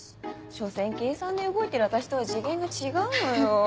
しょせん計算で動いてる私とは次元が違うのよ。